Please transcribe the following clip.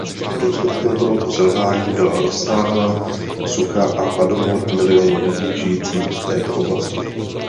Důsledkem tohoto selhání byla rozsáhlá sucha a hladomor milionů lidí žijící v této oblasti.